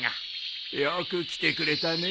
よく来てくれたねえ。